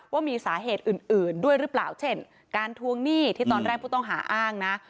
ว่ามีสาเหตุอื่นด้วยหรือเปล่าเช่นการทวงหนี้ที่ตอนแรกผู้ต้องหาอ้างนะ